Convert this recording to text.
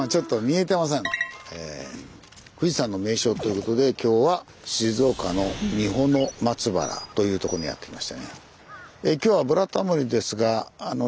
富士山の名所という事で今日は静岡の三保松原というとこにやって来ましたね。